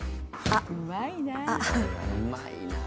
うまいなあ。